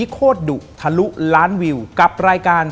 ขอบคุณครับ